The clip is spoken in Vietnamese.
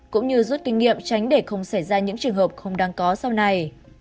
cũng như rút kinh nghiệm tránh để không xảy ra những trường hợp không đáng có sau này